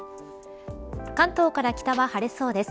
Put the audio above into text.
関東から北は晴れそうです。